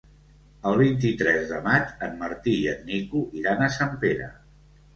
El vint-i-tres de maig en Martí i en Nico iran a Sempere.